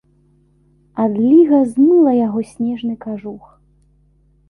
Адліга змыла яго снежны кажух.